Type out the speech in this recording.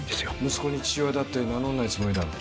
息子に父親だって名乗んないつもりだろう。